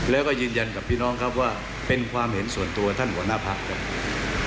แล้วก็ยืนยันกับพี่น้องครับว่าเป็นความเห็นส่วนตัวท่านหัวหน้าพักครับ